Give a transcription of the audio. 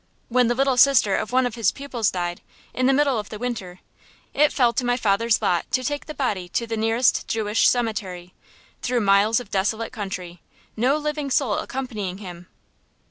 When the little sister of one of his pupils died, in the middle of the winter, it fell to my father's lot to take the body to the nearest Jewish cemetery, through miles of desolate country, no living soul accompanying him.